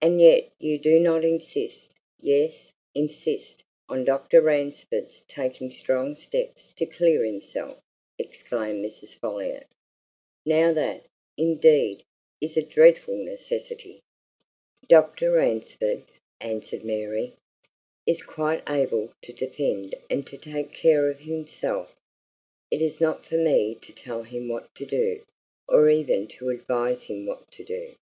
"And yet you do not insist yes, insist! on Dr. Ransford's taking strong steps to clear himself!" exclaimed Mrs. Folliot. "Now that, indeed, is a dreadful necessity!" "Dr. Ransford," answered Mary, "is quite able to defend and to take care of himself. It is not for me to tell him what to do, or even to advise him what to do.